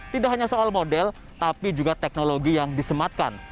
tidak hanya soal model tapi juga teknologi yang disematkan